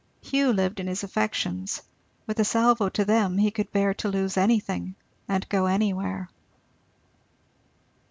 Hugh lived in his affections; with a salvo to them, he could bear to lose anything and go anywhere.